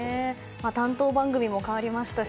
担当番組も変わりましたし